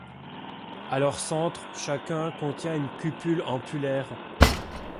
À leur centre chacun contient une cupule ampullaire.